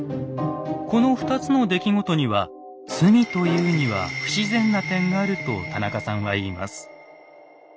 この２つの出来事には罪と言うには不自然な点があると田中さんは言います。